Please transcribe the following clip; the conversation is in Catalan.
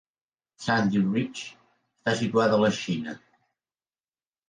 Sandy Ridge està situada a la Xina.